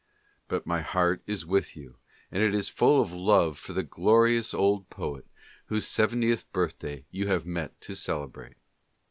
But my heart is with you, and it is full of love for the glorious old poet whose seventieth birthday you have met to celebrate.